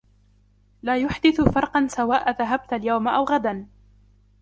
لا يحدث فرقاً سواء ذهبت اليوم او غداً.